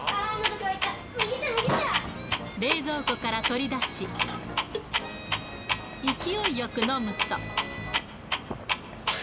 冷蔵庫から取り出し、勢いよく飲むと。